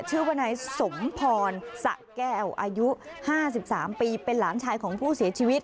ชื่อว่านายสมพรสะแก้วอายุ๕๓ปีเป็นหลานชายของผู้เสียชีวิต